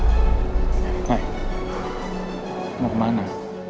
naya mau kemana